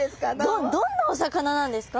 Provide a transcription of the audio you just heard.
どんなお魚なんですか？